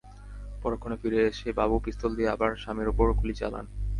পরক্ষণে ফিরে এসেই বাবু পিস্তল দিয়ে আমার স্বামীর ওপর গুলি চালান।